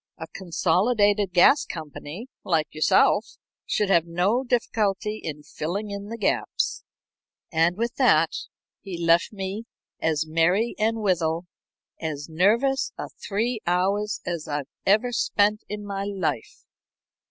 A consolidated gas company, like yourself, should have no difficulty in filling in the gaps." And with that he left me to as merry and withal as nervous a three hours as I ever spent in my life.